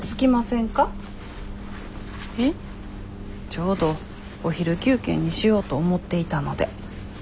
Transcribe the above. ちょうどお昼休憩にしようと思っていたので。